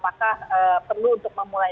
apakah perlu untuk memulai